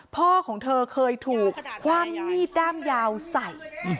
พ่อของเธอเคยถูกคว่ำมีดด้ามยาวใส่